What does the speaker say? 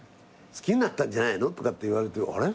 「好きになったんじゃないの？」とかって言われてあれ？